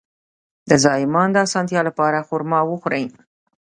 د زایمان د اسانتیا لپاره خرما وخورئ